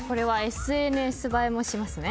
ＳＮＳ映えもしますね。